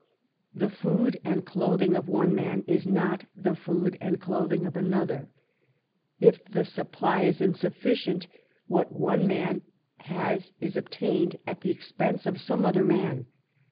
The food and clothing of one man is not the food and clothing of another; if the supply is insufficient, what one man has is obtained at the expense of some other man.